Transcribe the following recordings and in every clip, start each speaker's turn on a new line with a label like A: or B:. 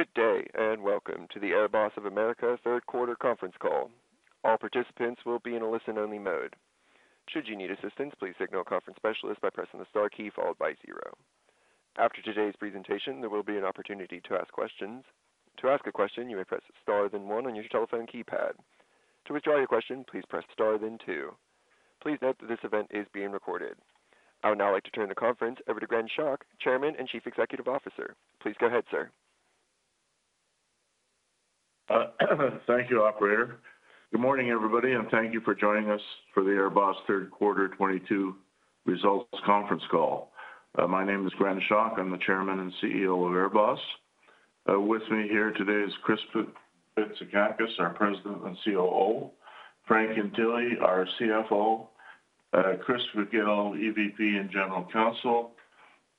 A: Good day, and welcome to the AirBoss of America Corp third quarter conference call. All participants will be in a listen-only mode. Should you need assistance, please signal a conference specialist by pressing the star key followed by zero. After today's presentation, there will be an opportunity to ask questions. To ask a question, you may press star then one on your telephone keypad. To withdraw your question, please press star then two. Please note that this event is being recorded. I would now like to turn the conference over to Gren Schoch, Chairman and Chief Executive Officer. Please go ahead, sir.
B: Thank you, operator. Good morning, everybody, and thank you for joining us for the AirBoss third quarter 2022 results conference call. My name is Gren Schoch. I'm the Chairman and CEO of AirBoss. With me here today is Chris Bitsakakis, our President and COO. Frank Ientile, our CFO. Chris Figel, EVP and General Counsel.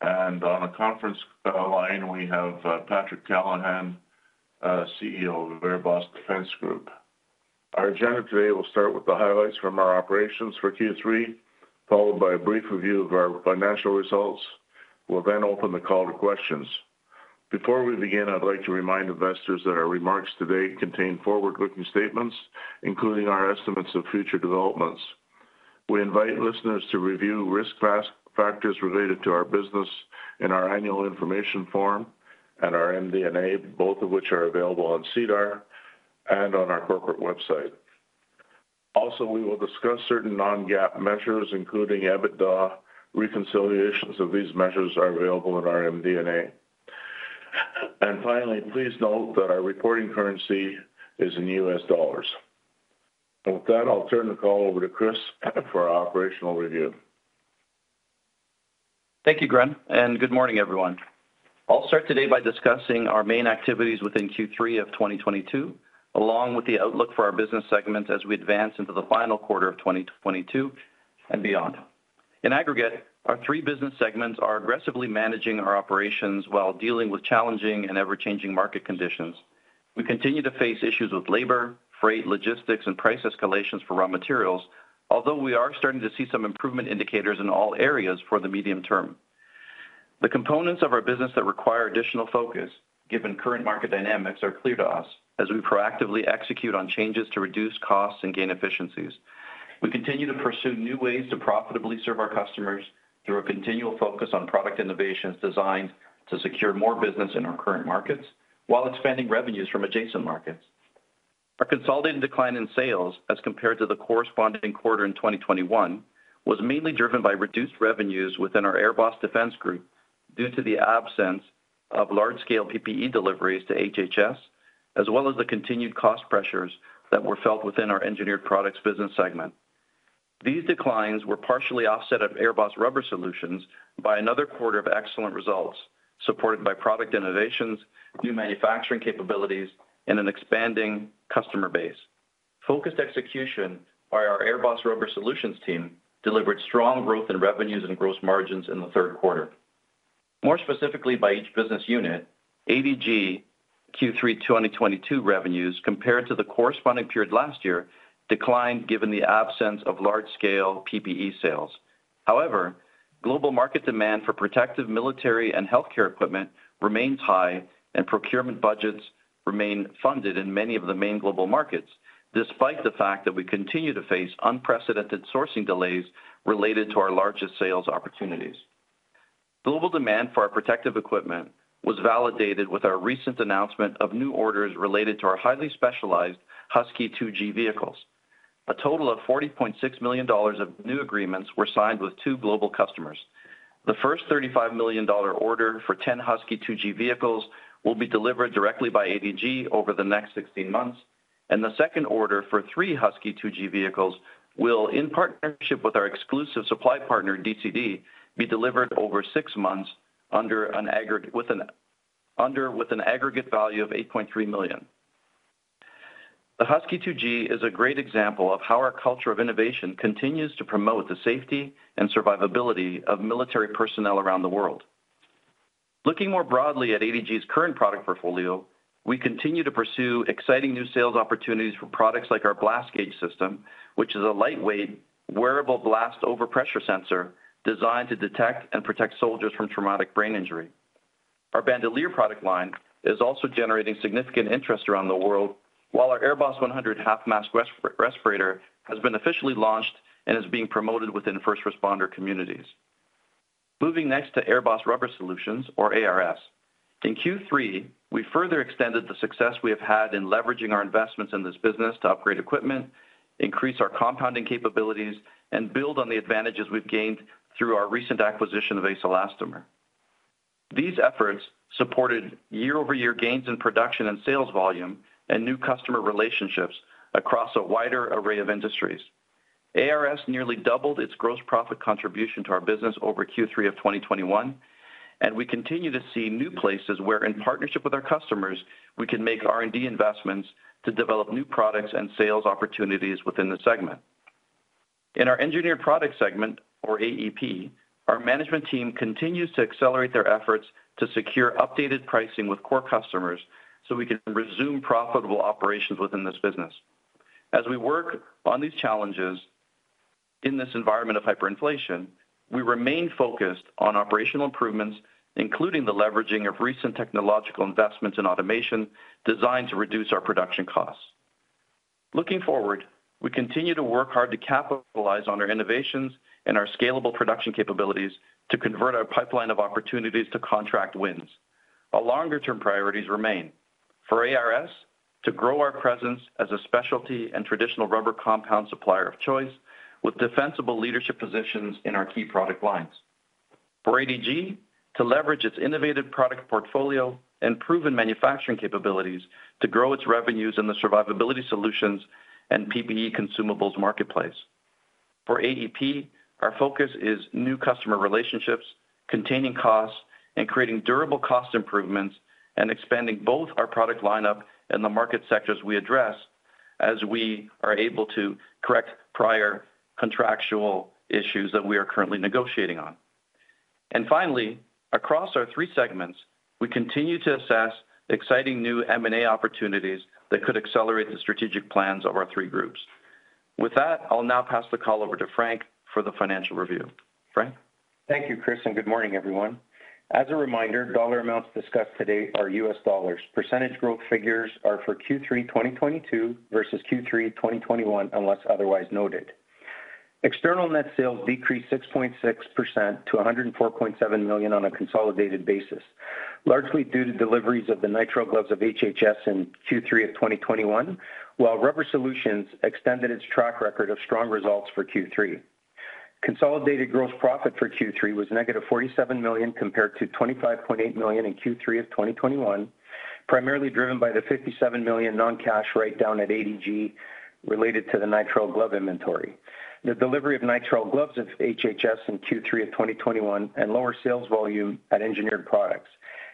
B: And on a conference line, we have Patrick Callahan, CEO of AirBoss Defense Group. Our agenda today will start with the highlights from our operations for Q3, followed by a brief review of our financial results. We'll then open the call to questions. Before we begin, I'd like to remind investors that our remarks today contain forward-looking statements, including our estimates of future developments. We invite listeners to review risk factors related to our business in our annual information form and our MD&A, both of which are available on SEDAR and on our corporate website. Also, we will discuss certain non-GAAP measures, including EBITDA. Reconciliations of these measures are available in our MD&A. Finally, please note that our reporting currency is in U.S. dollars. With that, I'll turn the call over to Chris for our operational review.
C: Thank you, Gren, and good morning, everyone. I'll start today by discussing our main activities within Q3 of 2022, along with the outlook for our business segments as we advance into the final quarter of 2022 and beyond. In aggregate, our three business segments are aggressively managing our operations while dealing with challenging and ever-changing market conditions. We continue to face issues with labor, freight, logistics, and price escalations for raw materials, although we are starting to see some improvement indicators in all areas for the medium term. The components of our business that require additional focus, given current market dynamics, are clear to us as we proactively execute on changes to reduce costs and gain efficiencies. We continue to pursue new ways to profitably serve our customers through a continual focus on product innovations designed to secure more business in our current markets while expanding revenues from adjacent markets. Our consolidated decline in sales as compared to the corresponding quarter in 2021 was mainly driven by reduced revenues within our AirBoss Defense Group due to the absence of large-scale PPE deliveries to HHS, as well as the continued cost pressures that were felt within our Engineered Products business segment. These declines were partially offset at AirBoss Rubber Solutions by another quarter of excellent results, supported by product innovations, new manufacturing capabilities, and an expanding customer base. Focused execution by our AirBoss Rubber Solutions team delivered strong growth in revenues and gross margins in the third quarter. More specifically by each business unit, ADG Q3 2022 revenues compared to the corresponding period last year declined given the absence of large-scale PPE sales. However, global market demand for protective military and healthcare equipment remains high, and procurement budgets remain funded in many of the main global markets, despite the fact that we continue to face unprecedented sourcing delays related to our largest sales opportunities. Global demand for our protective equipment was validated with our recent announcement of new orders related to our highly specialized Husky 2G vehicles. A total of $40.6 million of new agreements were signed with two global customers. The first $35 million order for 10 Husky 2G vehicles will be delivered directly by ADG over the next 16 months. The second order for three Husky 2G vehicles will, in partnership with our exclusive supply partner, DCD, be delivered over six months under an aggregate value of $8.3 million. The Husky 2G is a great example of how our culture of innovation continues to promote the safety and survivability of military personnel around the world. Looking more broadly at ADG's current product portfolio, we continue to pursue exciting new sales opportunities for products like our Blast Gauge system, which is a lightweight wearable blast overpressure sensor designed to detect and protect soldiers from traumatic brain injury. Our Bandolier product line is also generating significant interest around the world, while our AirBoss 100 half mask respirator has been officially launched and is being promoted within first responder communities. Moving next to AirBoss Rubber Solutions or ARS' In Q3, we further extended the success we have had in leveraging our investments in this business to upgrade equipment, increase our compounding capabilities, and build on the advantages we've gained through our recent acquisition of ACE Elastomer. These efforts supported year-over-year gains in production and sales volume and new customer relationships across a wider array of industries. ARS nearly doubled its gross profit contribution to our business over Q3 of 2021, and we continue to see new places where, in partnership with our customers, we can make R&D investments to develop new products and sales opportunities within the segment. In our engineered products segment or AEP, our management team continues to accelerate their efforts to secure updated pricing with core customers so we can resume profitable operations within this business. As we work on these challenges. In this environment of hyperinflation, we remain focused on operational improvements, including the leveraging of recent technological investments in automation designed to reduce our production costs. Looking forward, we continue to work hard to capitalize on our innovations and our scalable production capabilities to convert our pipeline of opportunities to contract wins. Our longer-term priorities remain. For ARS to grow our presence as a specialty and traditional rubber compound supplier of choice with defensible leadership positions in our key product lines. For ADG to leverage its innovative product portfolio and proven manufacturing capabilities to grow its revenues in the survivability solutions and PPE consumables marketplace. For AEP, our focus is new customer relationships, containing costs, and creating durable cost improvements, and expanding both our product lineup and the market sectors we address as we are able to correct prior contractual issues that we are currently negotiating on. Finally, across our three segments, we continue to assess exciting new M&A opportunities that could accelerate the strategic plans of our three groups. With that, I'll now pass the call over to Frank for the financial review. Frank.
D: Thank you, Chris, and good morning, everyone. As a reminder, dollar amounts discussed today are U.S. dollars. Percentage growth figures are for Q3 2022 versus Q3 2021, unless otherwise noted. External net sales decreased 6.6% to $104.7 million on a consolidated basis, largely due to deliveries of the nitrile gloves of HHS in Q3 of 2021, while Rubber Solutions extended its track record of strong results for Q3. Consolidated gross profit for Q3 was -$47 million compared to $25.8 million in Q3 of 2021, primarily driven by the $57 million non-cash write-down at ADG related to the nitrile glove inventory. The delivery of nitrile gloves of HHS in Q3 of 2021 had lower sales volume at Engineered Products.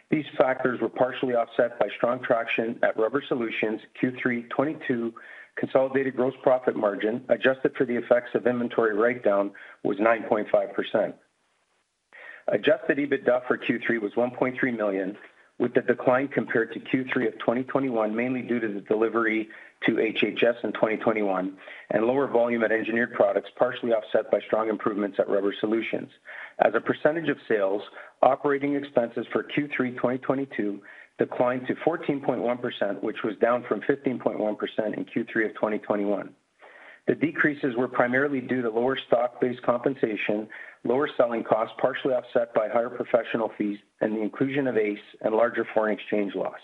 D: These factors were partially offset by strong traction at Rubber Solutions. Q3 2022 consolidated gross profit margin, adjusted for the effects of inventory write-down, was 9.5%. Adjusted EBITDA for Q3 was $1.3 million, with the decline compared to Q3 2021, mainly due to the delivery to HHS in 2021 and lower volume at Engineered Products, partially offset by strong improvements at Rubber Solutions. As a percentage of sales, operating expenses for Q3 2022 declined to 14.1%, which was down from 15.1% in Q3 2021. The decreases were primarily due to lower stock-based compensation, lower selling costs, partially offset by higher professional fees and the inclusion of ACE and larger foreign exchange loss.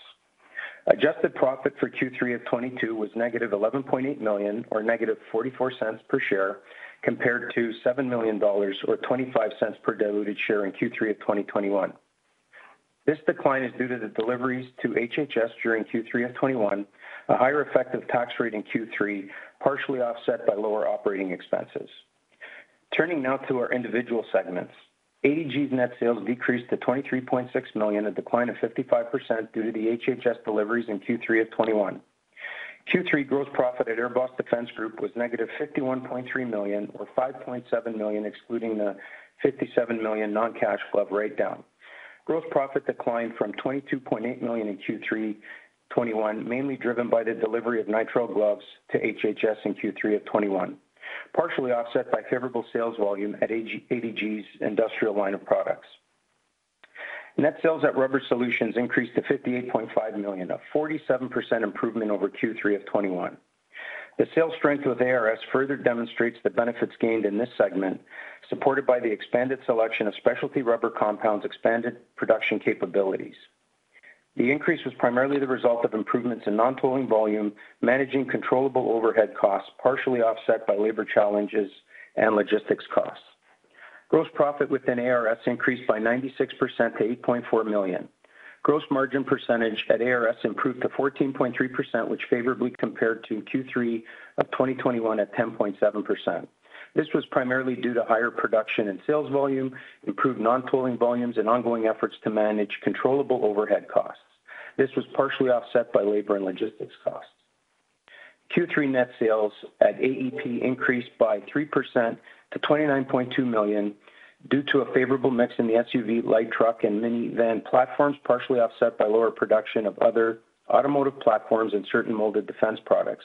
D: Adjusted profit for Q3 of 2022 was -$11.8 million or -$0.44 cents per share, compared to $7 million or 25 cents per diluted share in Q3 of 2021. This decline is due to the deliveries to HHS during Q3 of 2021, a higher effective tax rate in Q3, partially offset by lower operating expenses. Turning now to our individual segments. ADG's net sales decreased to $23.6 million, a decline of 55% due to the HHS deliveries in Q3 of 2021. Q3 gross profit at AirBoss Defense Group was -$51.3 million or $5.7 million, excluding the $57 million non-cash glove write-down. Gross profit declined from $22.8 million in Q3 2021, mainly driven by the delivery of nitrile gloves to HHS in Q3 of 2021, partially offset by favorable sales volume at AEP - ADG's industrial line of products. Net sales at Rubber Solutions increased to $58.5 million, a 47% improvement over Q3 of 2021. The sales strength with ARS further demonstrates the benefits gained in this segment, supported by the expanded selection of specialty rubber compounds expanded production capabilities. The increase was primarily the result of improvements in non-tooling volume, managing controllable overhead costs, partially offset by labor challenges and logistics costs. Gross profit within ARS increased by 96% to $8.4 million. Gross margin percentage at ARS improved to 14.3%, which favorably compared to Q3 of 2021 at 10.7%. This was primarily due to higher production and sales volume, improved non-tooling volumes, and ongoing efforts to manage controllable overhead costs. This was partially offset by labor and logistics costs. Q3 net sales at AEP increased by 3% to $29.2 million due to a favorable mix in the SUV light truck and mini van platforms, partially offset by lower production of other automotive platforms and certain molded defense products.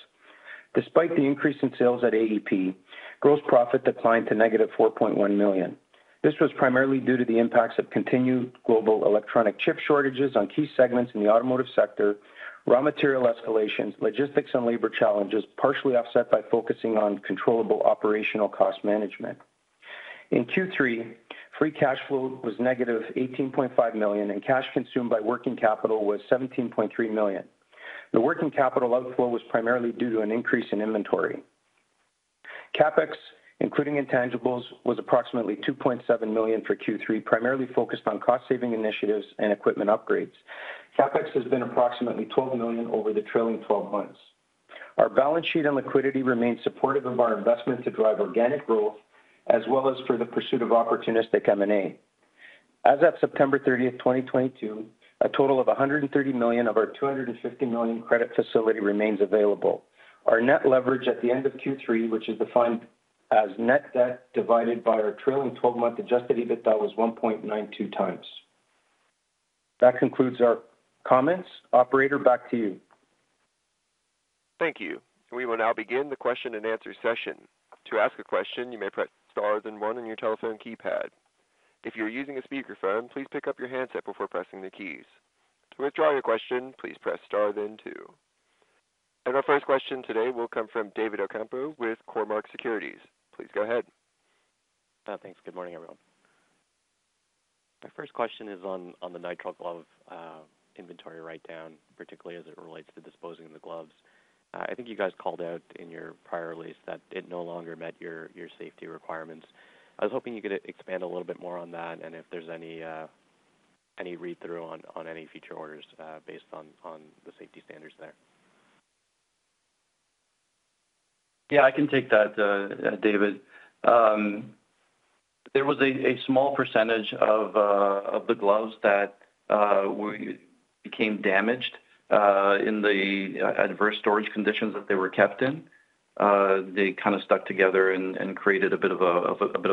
D: Despite the increase in sales at AEP, gross profit declined to -$4.1 million. This was primarily due to the impacts of continued global electronic chip shortages on key segments in the automotive sector, raw material escalations, logistics and labor challenges, partially offset by focusing on controllable operational cost management. In Q3, free cash flow was -$18.5 million, and cash consumed by working capital was $17.3 million. The working capital outflow was primarily due to an increase in inventory. CapEx, including intangibles, was approximately $2.7 million for Q3, primarily focused on cost-saving initiatives and equipment upgrades. CapEx has been approximately $12 million over the trailing twelve months. Our balance sheet and liquidity remain supportive of our investment to drive organic growth as well as for the pursuit of opportunistic M&A. As of September 30, 2022, a total of $130 million of our $250 million credit facility remains available. Our net leverage at the end of Q3, which is defined as net debt divided by our trailing 12-month Adjusted EBITDA, was 1.92x.
B: That concludes our comments. Operator, back to you.
A: Thank you. We will now begin the question and answer session. To ask a question, you may press Star then one on your telephone keypad. If you're using a speakerphone, please pick up your handset before pressing the keys. To withdraw your question, please press Star then two. Our first question today will come from David Ocampo with Cormark Securities. Please go ahead.
E: Thanks. Good morning, everyone. My first question is on the nitrile glove inventory writedown, particularly as it relates to disposing the gloves. I think you guys called out in your prior release that it no longer met your safety requirements. I was hoping you could expand a little bit more on that and if there's any read-through on any future orders based on the safety standards there.
B: Yeah, I can take that, David. There was a small percentage of the gloves that became damaged in the adverse storage conditions that they were kept in. They kind of stuck together and created a bit of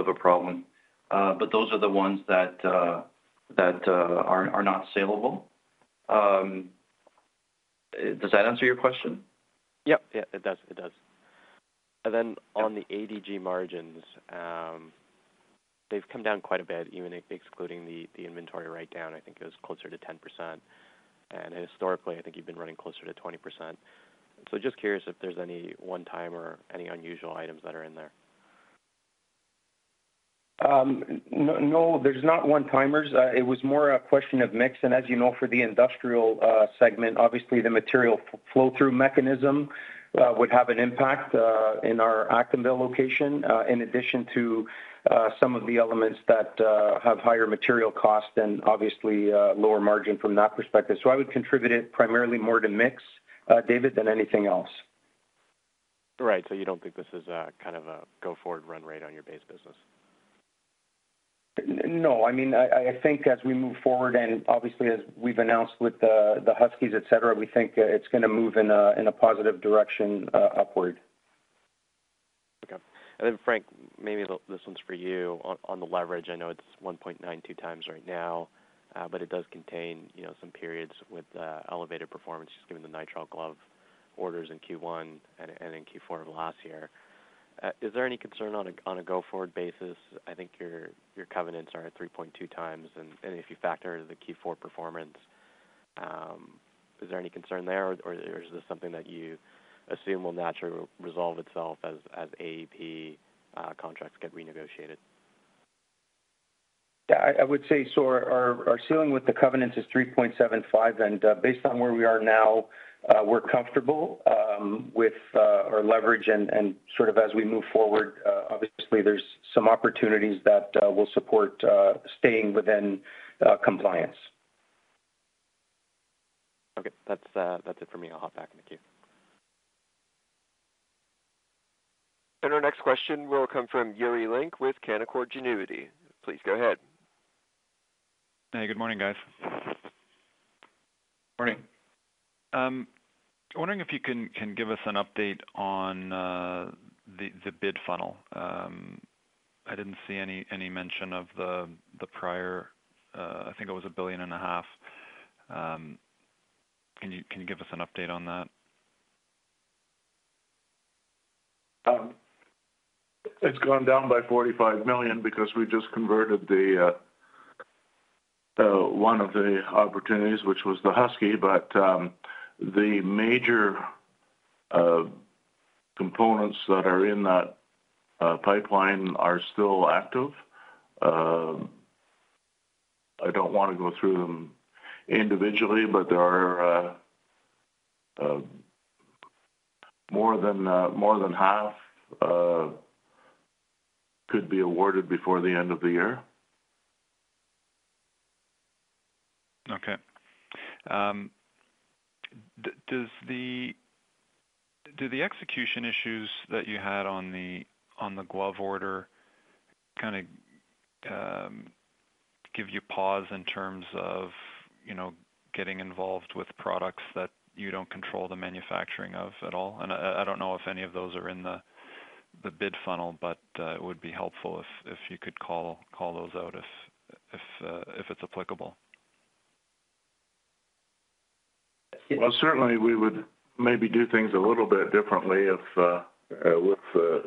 B: a problem. But those are the ones that are not saleable. Does that answer your question?
E: Yep. Yeah, it does. It does. On the ADG margins, they've come down quite a bit, even if excluding the inventory write-down, I think it was closer to 10%. Historically, I think you've been running closer to 20%. Just curious if there's any one-time or any unusual items that are in there.
B: No, there's not one-timers. It was more a question of mix. As you know, for the industrial segment, obviously the material flow through mechanism would have an impact in our Acton Vale location, in addition to some of the elements that have higher material cost and obviously lower margin from that perspective. I would contribute it primarily more to mix, David, than anything else.
E: Right. You don't think this is a kind of a go forward run rate on your base business?
B: No, I mean, I think as we move forward, and obviously as we've announced with the Huskies, et cetera, we think it's gonna move in a positive direction, upward.
E: Okay. Frank, maybe this one's for you. On the leverage, I know it's 1.92x right now, but it does contain, you know, some periods with elevated performance just given the nitrile glove orders in Q1 and in Q4 of last year. Is there any concern on a go-forward basis? I think your covenants are at 3.2x. If you factor the Q4 performance, is there any concern there, or is this something that you assume will naturally resolve itself as AEP contracts get renegotiated?
B: I would say our ceiling with the covenants is 3.75x, and based on where we are now, we're comfortable with our leverage and sort of as we move forward, obviously there's some opportunities that will support staying within compliance.
E: Okay. That's it for me. I'll hop back in the queue.
A: Our next question will come from Yuri Lynk with Canaccord Genuity. Please go ahead.
F: Hey, good morning, guys.
B: Morning.
F: I'm wondering if you can give us an update on the bid funnel. I didn't see any mention of the prior $1.5 billion. Can you give us an update on that?
B: It's gone down by $45 million because we just converted one of the opportunities, which was the Husky. The major components that are in that pipeline are still active. I don't wanna go through them individually, but there are more than half could be awarded before the end of the year.
F: Okay. Do the execution issues that you had on the glove order kinda give you pause in terms of, you know, getting involved with products that you don't control the manufacturing of at all? I don't know if any of those are in the bid funnel, but it would be helpful if you could call those out if it's applicable.
B: Well, certainly we would maybe do things a little bit differently if with the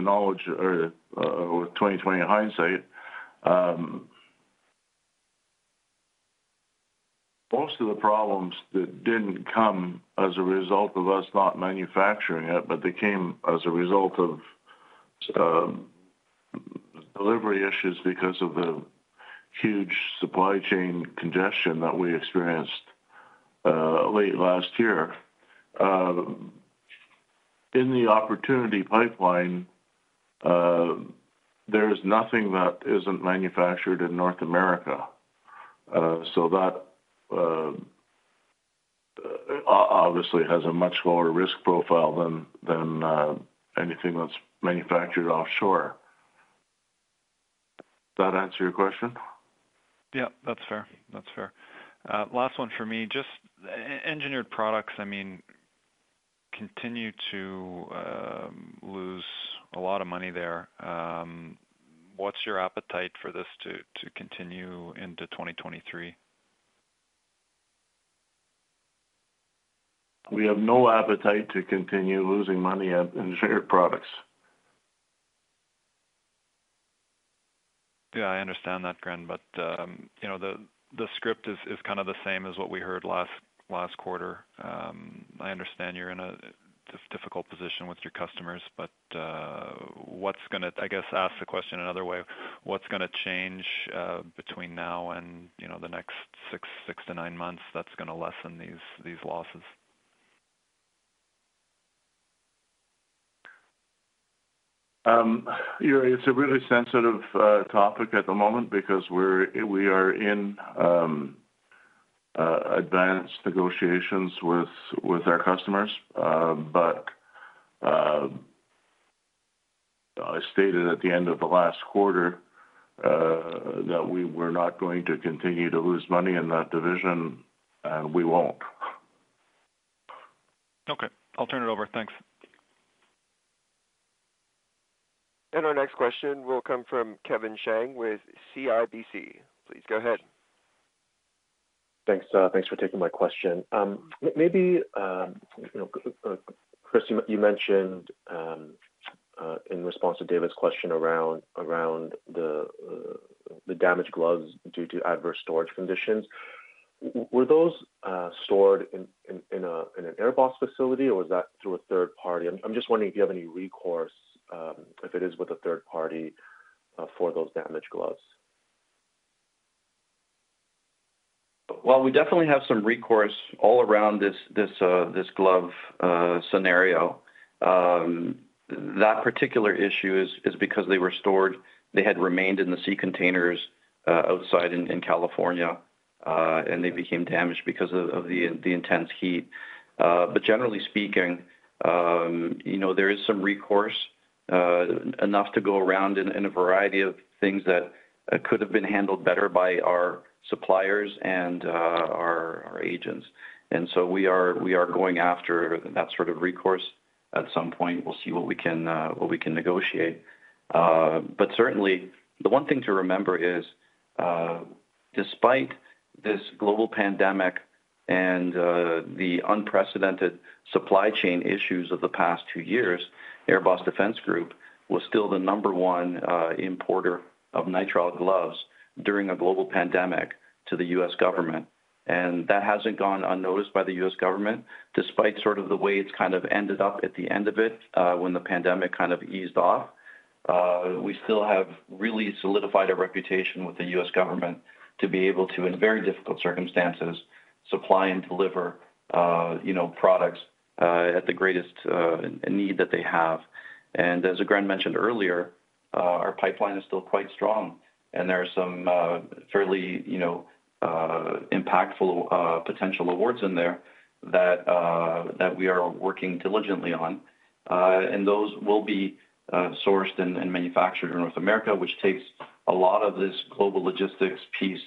B: knowledge or with 20-20 hindsight. Most of the problems that didn't come as a result of us not manufacturing it, but they came as a result of delivery issues because of the huge supply chain congestion that we experienced late last year. In the opportunity pipeline, there is nothing that isn't manufactured in North America. So that obviously has a much lower risk profile than anything that's manufactured offshore. That answer your question?
F: Yeah, that's fair. Last one for me. Just Engineered Products, I mean, continue to lose a lot of money there. What's your appetite for this to continue into 2023?
B: We have no appetite to continue losing money in Engineered Products.
F: Yeah, I understand that, Gren, but you know, the script is kind of the same as what we heard last quarter. I understand you're in a difficult position with your customers, but I guess ask the question another way, what's gonna change between now and you know, the next six to nine months that's gonna lessen these losses?
B: You know, it's a really sensitive topic at the moment because we are in advanced negotiations with our customers. I stated at the end of the last quarter that we were not going to continue to lose money in that division, and we won't.
F: Okay. I'll turn it over. Thanks.
A: Our next question will come from Kevin Chiang with CIBC. Please go ahead.
G: Thanks for taking my question. Maybe you know, Chris, you mentioned in response to David's question around the damaged gloves due to adverse storage conditions. Were those stored in an AirBoss facility, or was that through a third party? I'm just wondering if you have any recourse if it is with a third party for those damaged gloves.
C: Well, we definitely have some recourse all around this glove scenario. That particular issue is because they had remained in the sea containers outside in California, and they became damaged because of the intense heat. Generally speaking, you know, there is some recourse enough to go around in a variety of things that could have been handled better by our suppliers and our agents. We are going after that sort of recourse at some point. We'll see what we can negotiate. Certainly, the one thing to remember is, despite this global pandemic and the unprecedented supply chain issues of the past two years, AirBoss Defense Group was still the number one importer of nitrile gloves during a global pandemic to the U.S. government. That hasn't gone unnoticed by the U.S. government, despite sort of the way it's kind of ended up at the end of it, when the pandemic kind of eased off. We still have really solidified a reputation with the U.S. government to be able to, in very difficult circumstances, supply and deliver, you know, products, at the greatest need that they have. As Gren mentioned earlier, our pipeline is still quite strong, and there are some fairly, you know, impactful potential awards in there that we are working diligently on. Those will be sourced and manufactured in North America, which takes a lot of this global logistics piece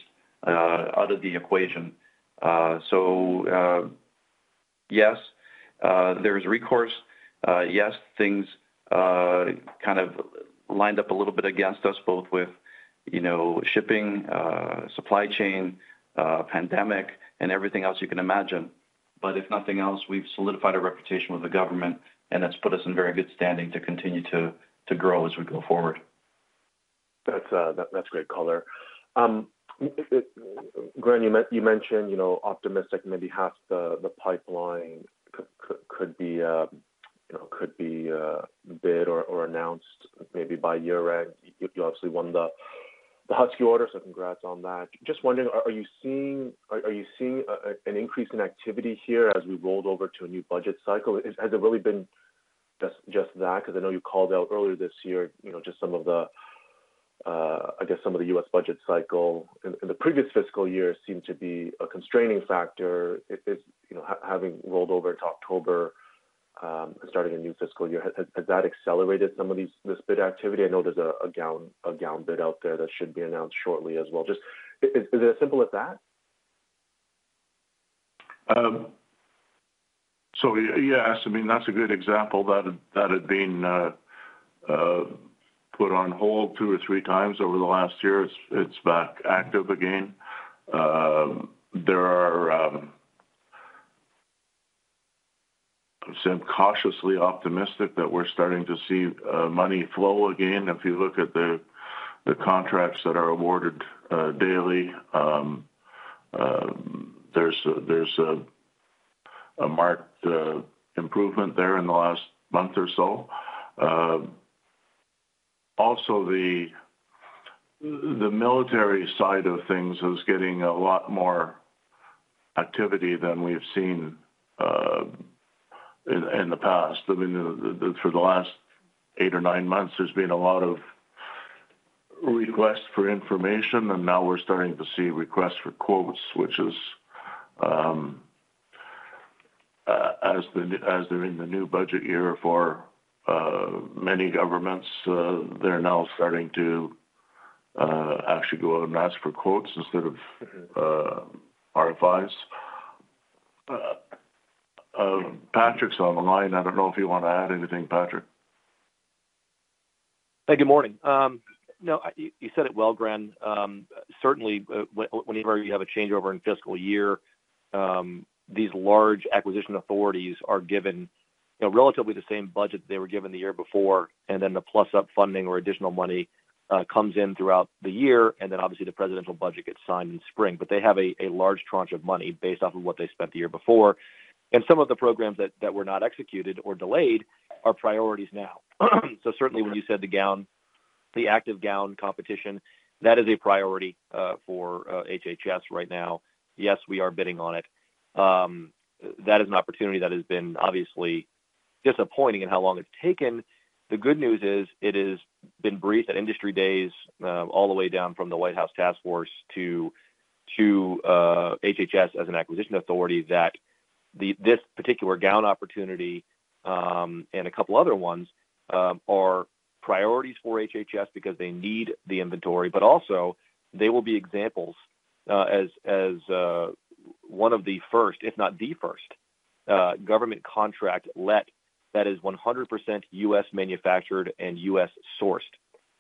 C: out of the equation. Yes, there's recourse. Yes, things kind of lined up a little bit against us both with, you know, shipping, supply chain, pandemic, and everything else you can imagine. If nothing else, we've solidified a reputation with the government, and that's put us in very good standing to continue to grow as we go forward.
G: That's great color. Gren, you mentioned, you know, optimistic, maybe half the pipeline could be, you know, could be bid or announced maybe by year-end. You obviously won the Husky order, so congrats on that. Just wondering, are you seeing an increase in activity here as we rolled over to a new budget cycle? Has it really been just that? Because I know you called out earlier this year, you know, just some of the, I guess some of the U.S. budget cycle in the previous fiscal year seemed to be a constraining factor. You know, having rolled over to October, starting a new fiscal year, has that accelerated some of this bid activity? I know there's a gown bid out there that should be announced shortly as well. Just is it as simple as that?
B: Yes, I mean, that's a good example that had been put on hold 2x or 3x over the last year. It's back active again. I'm cautiously optimistic that we're starting to see money flow again. If you look at the contracts that are awarded daily, there's a marked improvement there in the last month or so. Also the military side of things is getting a lot more activity than we've seen in the past. I mean, through the last eight months or nine months, there's been a lot of requests for information, and now we're starting to see requests for quotes, which is as they're in the new budget year for many governments, they're now starting to Actually go out and ask for quotes instead of our advice. Patrick's on the line. I don't know if you wanna add anything, Patrick.
H: Hey, good morning. No, you said it well, Gren. Certainly, whenever you have a changeover in fiscal year, these large acquisition authorities are given, you know, relatively the same budget they were given the year before, and then the plus-up funding or additional money comes in throughout the year, and then obviously the presidential budget gets signed in spring. But they have a large tranche of money based off of what they spent the year before. Some of the programs that were not executed or delayed are priorities now. Certainly when you said the gown, the active gown competition, that is a priority for HHS right now. Yes, we are bidding on it. That is an opportunity that has been obviously disappointing in how long it's taken. The good news is it has been briefed at industry days, all the way down from the White House Task Force to HHS as an acquisition authority that this particular gown opportunity, and a couple other ones, are priorities for HHS because they need the inventory, but also they will be examples, as one of the first, if not the first, government contract let that is 100% U.S. manufactured and U.S. sourced.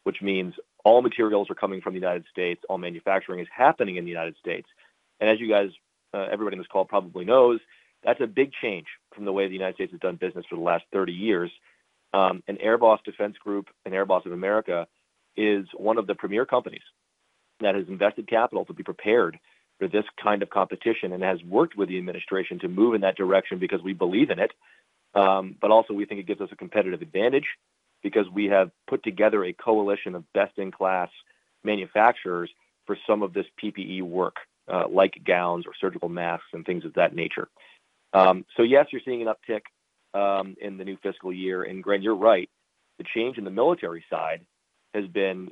H: Which means all materials are coming from the United States, all manufacturing is happening in the United States. As you guys, everybody in this call probably knows, that's a big change from the way the United States has done business for the last 30 years. AirBoss Defense Group and AirBoss of America is one of the premier companies that has invested capital to be prepared for this kind of competition and has worked with the administration to move in that direction because we believe in it. also we think it gives us a competitive advantage because we have put together a coalition of best-in-class manufacturers for some of this PPE work, like gowns or surgical masks and things of that nature. yes, you're seeing an uptick in the new fiscal year. Gren, you're right, the change in the military side has been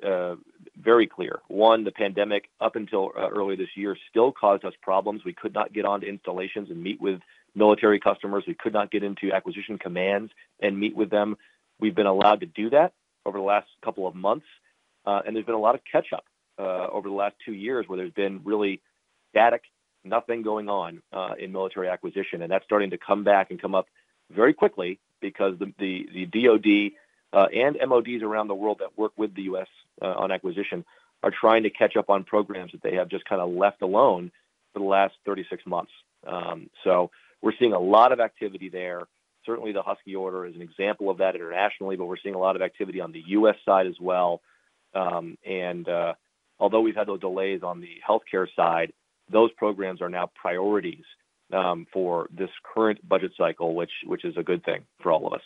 H: very clear. One, the pandemic up until early this year still caused us problems. We could not get onto installations and meet with military customers. We could not get into acquisition commands and meet with them. We've been allowed to do that over the last couple of months, and there's been a lot of catch up over the last two years where there's been really static, nothing going on in military acquisition. That's starting to come back and come up very quickly because the DoD and MODs around the world that work with the U.S. on acquisition are trying to catch up on programs that they have just kinda left alone for the last 36 months. We're seeing a lot of activity there. Certainly, the Husky order is an example of that internationally, but we're seeing a lot of activity on the U.S. side as well. Although we've had those delays on the healthcare side, those programs are now priorities for this current budget cycle, which is a good thing for all of us.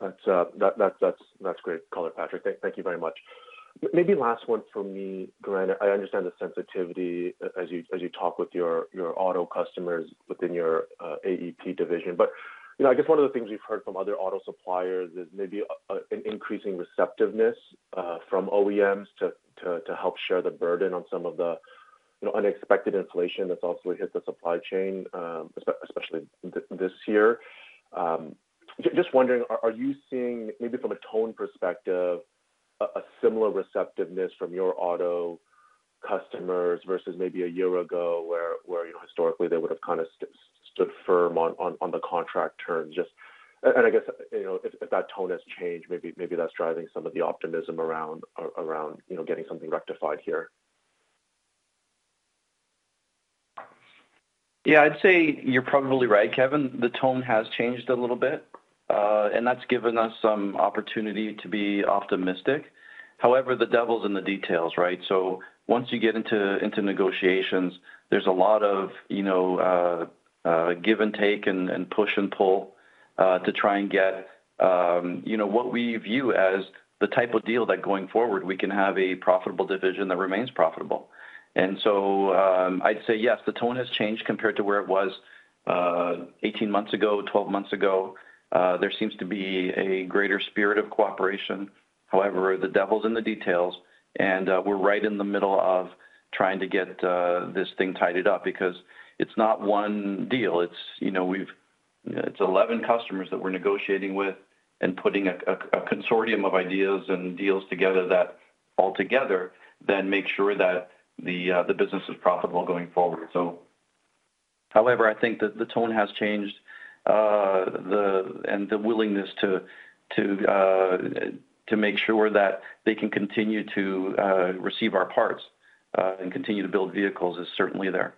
G: That's great color, Patrick. Thank you very much. Maybe last one from me, Gren. I understand the sensitivity as you talk with your auto customers within your AEP division. You know, I guess one of the things we've heard from other auto suppliers is maybe an increasing receptiveness from OEMs to help share the burden on some of the, you know, unexpected inflation that's also hit the supply chain, especially this year. Just wondering, are you seeing maybe from a tone perspective, a similar receptiveness from your auto customers versus maybe a year ago where you know historically they would have kinda stood firm on the contract terms? I guess, you know, if that tone has changed, maybe that's driving some of the optimism around, you know, getting something rectified here.
C: Yeah. I'd say you're probably right, Kevin. The tone has changed a little bit, and that's given us some opportunity to be optimistic. However, the devil's in the details, right? Once you get into negotiations, there's a lot of, you know, give and take and push and pull to try and get what we view as the type of deal that going forward, we can have a profitable division that remains profitable. I'd say yes, the tone has changed compared to where it was 18 months ago, 12 months ago. There seems to be a greater spirit of cooperation. However, the devil's in the details, and we're right in the middle of trying to get this thing tidied up because it's not one deal. It's 11 customers that we're negotiating with and putting a consortium of ideas and deals together that altogether then make sure that the business is profitable going forward. However, I think that the tone has changed, and the willingness to make sure that they can continue to receive our parts and continue to build vehicles is certainly there.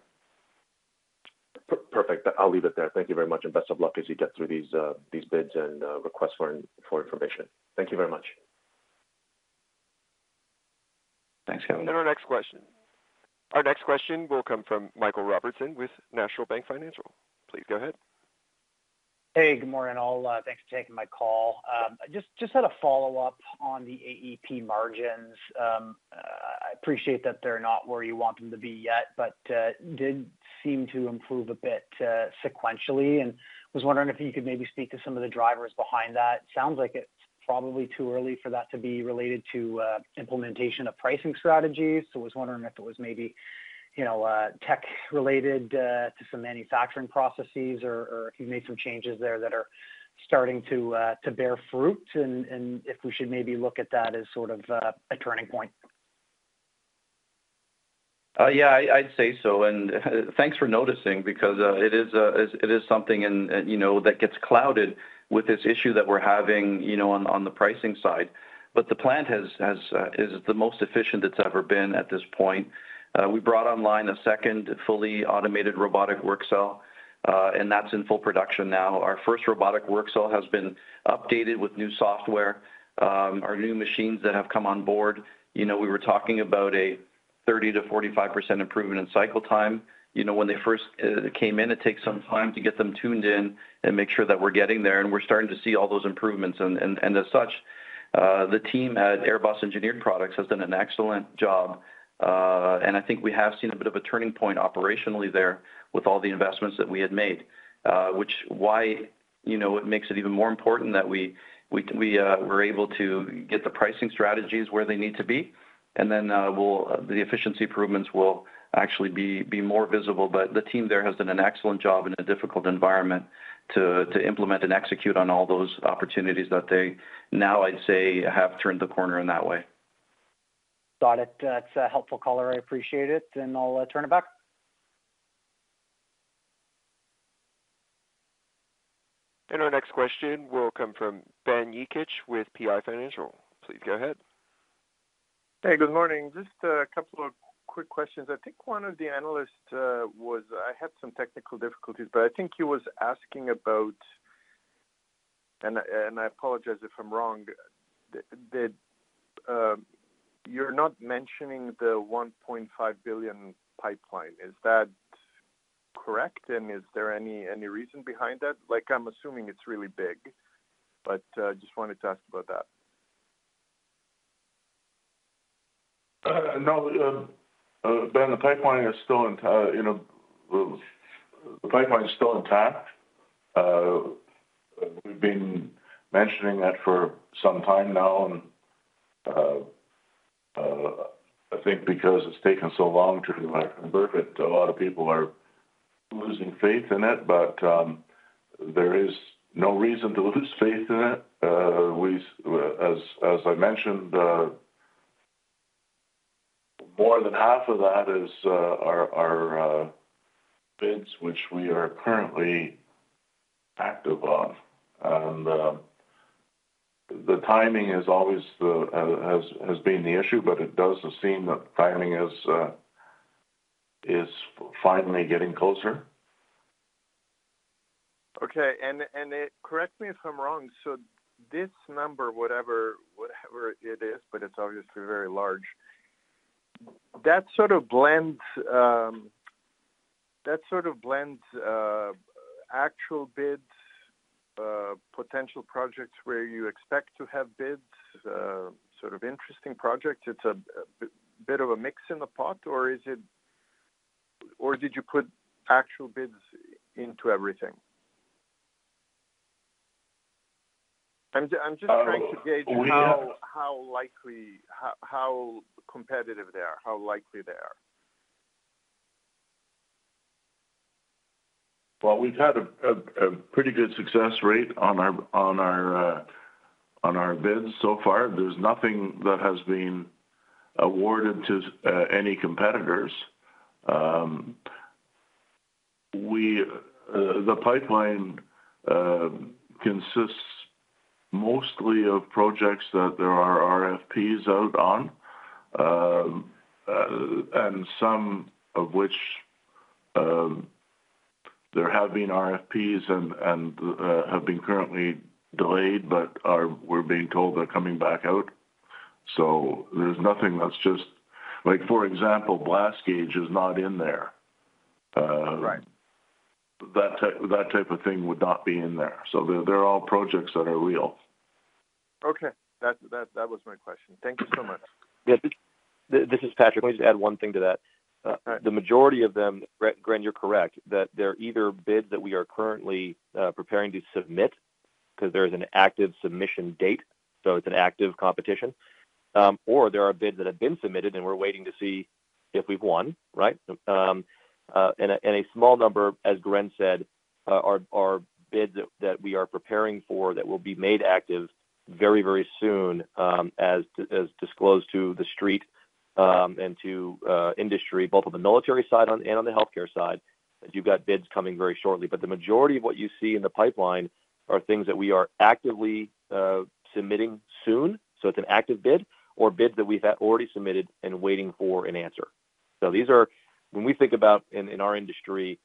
G: Perfect. I'll leave it there. Thank you very much, and best of luck as you get through these bids and requests for information. Thank you very much.
C: Thanks, Kevin.
A: Our next question will come from Michael Robertson with National Bank Financial. Please go ahead.
I: Hey, good morning, all. Thanks for taking my call. I just had a follow-up on the AEP margins. I appreciate that they're not where you want them to be yet, but did seem to improve a bit sequentially, and was wondering if you could maybe speak to some of the drivers behind that. Sounds like it's probably too early for that to be related to implementation of pricing strategies. I was wondering if it was maybe, you know, tech related to some manufacturing processes or if you've made some changes there that are starting to bear fruit and if we should maybe look at that as sort of a turning point.
C: Yeah, I'd say so. Thanks for noticing because it is something and, you know, that gets clouded with this issue that we're having, you know, on the pricing side. The plant is the most efficient it's ever been at this point. We brought online a second fully automated robotic work cell, and that's in full production now. Our first robotic work cell has been updated with new software. Our new machines that have come on board. You know, we were talking about a 30%-45% improvement in cycle time. You know, when they first came in, it takes some time to get them tuned in and make sure that we're getting there, and we're starting to see all those improvements. As such, the team at AirBoss Engineered Products has done an excellent job. I think we have seen a bit of a turning point operationally there with all the investments that we had made. Which is why, you know, it makes it even more important that we're able to get the pricing strategies where they need to be. Then the efficiency improvements will actually be more visible. The team there has done an excellent job in a difficult environment to implement and execute on all those opportunities that they now, I'd say, have turned the corner in that way.
I: Got it. That's a helpful color. I appreciate it, and I'll turn it back.
A: Our next question will come from Ben Jekic with PI Financial. Please go ahead.
J: Hey, good morning. Just a couple of quick questions. I had some technical difficulties, but I think he was asking about, and I apologize if I'm wrong, that you're not mentioning the $1.5 billion pipeline. Is that correct? Is there any reason behind that? Like, I'm assuming it's really big, but just wanted to ask about that.
B: No, Ben, you know, the pipeline is still intact. We've been mentioning that for some time now. I think because it's taken so long to convert it, a lot of people are losing faith in it, but there is no reason to lose faith in it. As I mentioned, more than half of that is are bids which we are currently active on. The timing is always has been the issue, but it does seem that the timing is finally getting closer.
J: Correct me if I'm wrong, so this number, whatever it is, but it's obviously very large, that sort of blends actual bids, potential projects where you expect to have bids, sort of interesting projects. It's a bit of a mix in the pot or is it? Did you put actual bids into everything? I'm just trying to gauge how likely, how competitive they are, how likely they are.
B: Well, we've had a pretty good success rate on our bids so far. There's nothing that has been awarded to any competitors. The pipeline consists mostly of projects that there are RFPs out on, and some of which there have been RFPs and have been currently delayed, but we're being told they're coming back out. There's nothing that's just like, for example, Blast Gauge is not in there.
J: Right.
B: That type of thing would not be in there. They're all projects that are real.
J: Okay. That was my question. Thank you so much.
H: Yeah. This is Patrick. Let me just add one thing to that.
J: All right.
H: The majority of them, Gren, you're correct, that they're either bids that we are currently preparing to submit because there is an active submission date, so it's an active competition. Or there are bids that have been submitted, and we're waiting to see if we've won, right? And a small number, as Gren said, are bids that we are preparing for that will be made active very, very soon, as disclosed to the street, and to industry, both on the military side and on the healthcare side, that you've got bids coming very shortly. The majority of what you see in the pipeline are things that we are actively submitting soon, so it's an active bid or bids that we've already submitted and waiting for an answer.
C: These are when we think about in our industry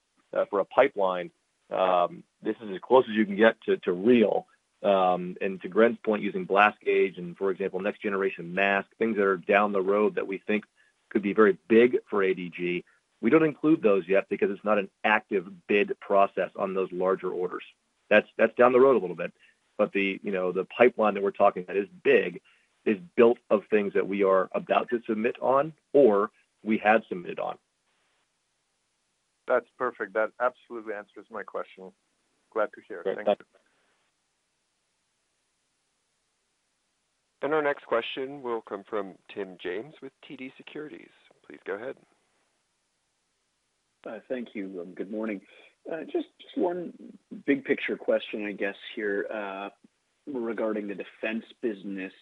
C: for a pipeline, this is as close as you can get to real. To Gren's point, using Blast Gauge and, for example, next generation mask, things that are down the road that we think could be very big for ADG. We don't include those yet because it's not an active bid process on those larger orders. That's down the road a little bit. You know, the pipeline that we're talking about is big, is built of things that we are about to submit on or we have submitted on.
J: That's perfect. That absolutely answers my question. Glad to hear. Thank you.
A: Our next question will come from Tim James with TD Securities. Please go ahead.
K: Thank you and good morning. Just one big picture question, I guess, here, regarding the defense business.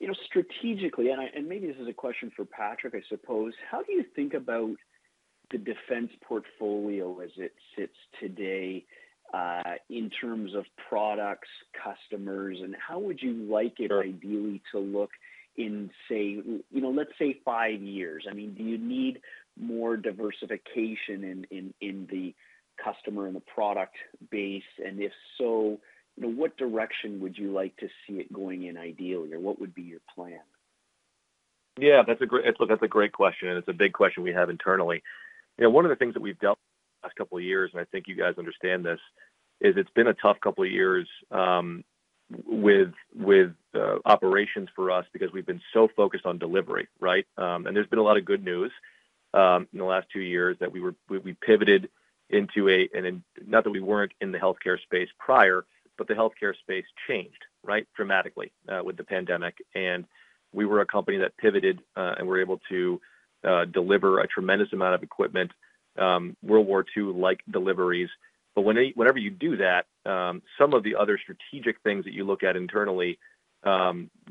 K: You know, strategically, maybe this is a question for Patrick, I suppose. How do you think about the defense portfolio as it sits today, in terms of products, customers? And how would you like it ideally to look in, say, you know, let's say five years? I mean, do you need more diversification in the customer and the product base? And if so, you know, what direction would you like to see it going in ideally? Or what would be your plan?
H: Yeah. That's a great question, and it's a big question we have internally. You know, one of the things that we've dealt with the last couple of years, and I think you guys understand this, is it's been a tough couple of years with operations for us because we've been so focused on delivery, right? And there's been a lot of good news in the last two years that we pivoted into. Not that we weren't in the healthcare space prior, but the healthcare space changed, right, dramatically, with the pandemic. We were a company that pivoted and were able to deliver a tremendous amount of equipment, World War II-like deliveries. Whenever you do that, some of the other strategic things that you look at internally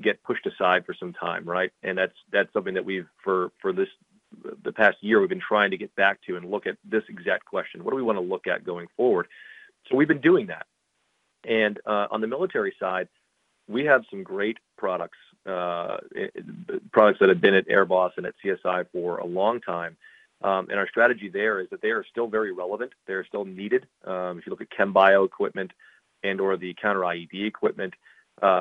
H: get pushed aside for some time, right? That's something that for the past year we've been trying to get back to and look at this exact question. What do we wanna look at going forward? We've been doing that. On the military side, we have some great products that have been at AirBoss and at CSI for a long time. Our strategy there is that they are still very relevant. They are still needed. If you look at chem-bio equipment and/or the counter-IED equipment,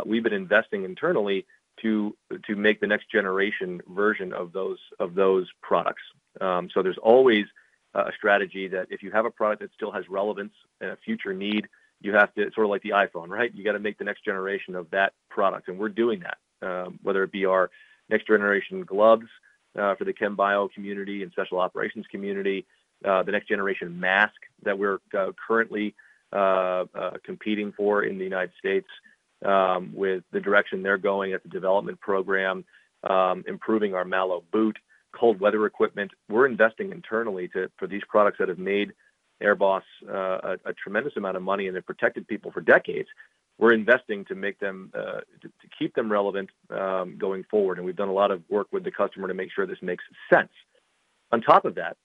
H: we've been investing internally to make the next-generation version of those products. There's always a strategy that if you have a product that still has relevance and a future need, you have to sort of like the iPhone, right? You gotta make the next generation of that product, and we're doing that. Whether it be our next generation gloves for the chem bio community and special operations community, the next generation mask that we're currently competing for in the United States with the direction they're going at the development program, improving our MALO boot, cold weather equipment. We're investing internally for these products that have made AirBoss a tremendous amount of money and have protected people for decades. We're investing to keep them relevant going forward, and we've done a lot of work with the customer to make sure this makes sense. On top of that,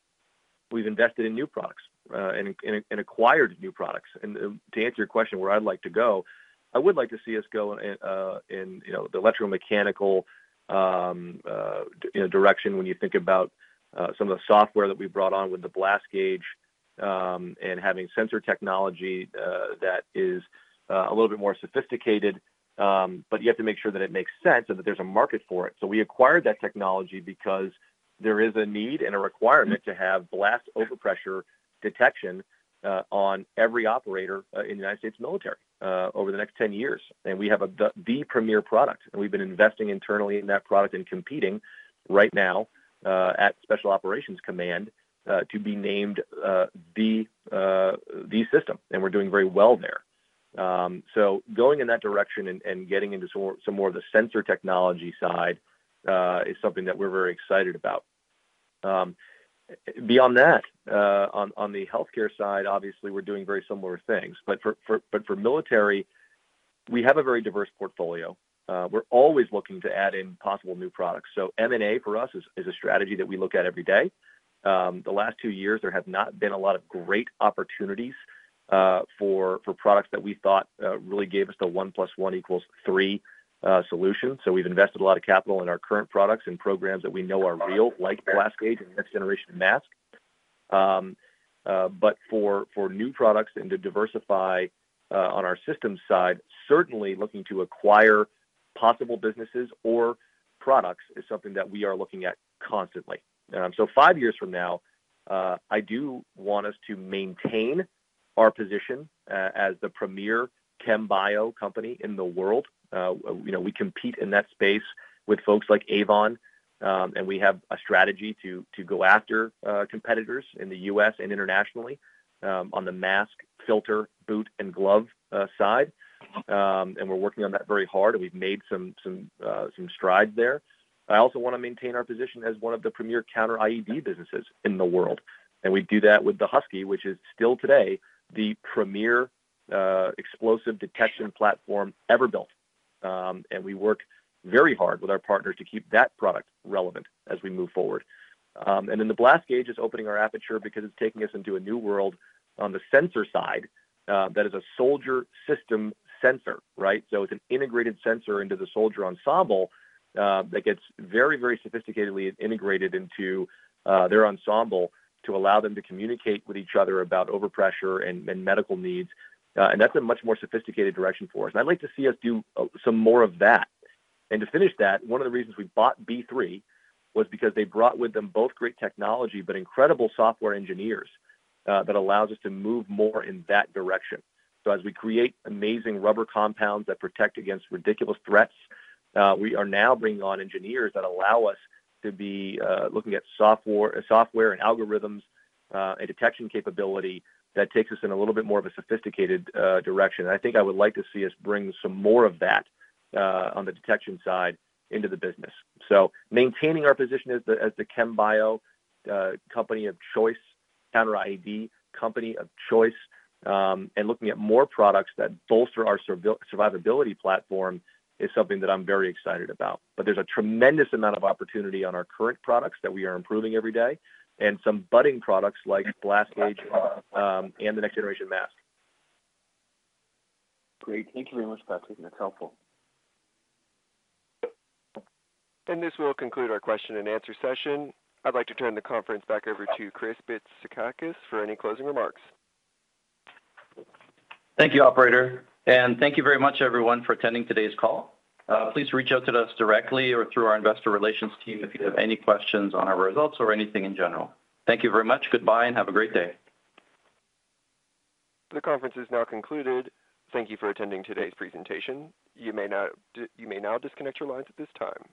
H: we've invested in new products and acquired new products. To answer your question, where I'd like to go, I would like to see us go in you know the electromechanical you know direction when you think about some of the software that we brought on with the Blast Gauge and having sensor technology that is a little bit more sophisticated. But you have to make sure that it makes sense and that there's a market for it. We acquired that technology because there is a need and a requirement to have blast overpressure detection on every operator in the U.S. military over the next 10 years. We have the premier product, and we've been investing internally in that product and competing right now at U.S. Special Operations Command to be named the system. We're doing very well there. Going in that direction and getting into some more of the sensor technology side is something that we're very excited about. Beyond that, on the healthcare side, obviously, we're doing very similar things. For military, we have a very diverse portfolio. We're always looking to add in possible new products. M&A for us is a strategy that we look at every day. The last two years, there have not been a lot of great opportunities for products that we thought really gave us the one plus one equals three solution. We've invested a lot of capital in our current products and programs that we know are real, like Blast Gauge and next generation mask. For new products and to diversify on our systems side, certainly looking to acquire possible businesses or products is something that we are looking at constantly. Five years from now, I do want us to maintain our position as the premier chem bio company in the world. You know, we compete in that space with folks like Avon, and we have a strategy to go after competitors in the U.S. and internationally, on the mask, filter, boot, and glove side. We're working on that very hard, and we've made some strides there. I also wanna maintain our position as one of the premier counter-IED businesses in the world. We do that with the Husky, which is still today the premier explosive detection platform ever built. We work very hard with our partners to keep that product relevant as we move forward. Then the Blast Gauge is opening our aperture because it's taking us into a new world on the sensor side, that is a soldier system sensor, right? It's an integrated sensor into the soldier ensemble that gets very, very sophisticatedly integrated into their ensemble to allow them to communicate with each other about overpressure and medical needs. That's a much more sophisticated direction for us. I'd like to see us do some more of that. To finish that, one of the reasons we bought Blackbox Biometrics was because they brought with them both great technology but incredible software engineers that allows us to move more in that direction. As we create amazing rubber compounds that protect against ridiculous threats, we are now bringing on engineers that allow us to be looking at software and algorithms and detection capability that takes us in a little bit more of a sophisticated direction. I think I would like to see us bring some more of that on the detection side into the business. Maintaining our position as the chem bio company of choice, counter-IED company of choice, and looking at more products that bolster our survivability platform is something that I'm very excited about. There's a tremendous amount of opportunity on our current products that we are improving every day, and some budding products like Blast Gauge and the next generation mask.
K: Great. Thank you very much, Patrick. That's helpful.
A: This will conclude our question and answer session. I'd like to turn the conference back over to Chris Bitsakakis for any closing remarks.
C: Thank you, operator, and thank you very much, everyone, for attending today's call. Please reach out to us directly or through our investor relations team if you have any questions on our results or anything in general. Thank you very much. Goodbye, and have a great day.
A: The conference is now concluded. Thank you for attending today's presentation. You may now disconnect your lines at this time.